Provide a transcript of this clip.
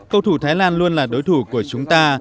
cầu thủ thái lan luôn là đối thủ của chúng ta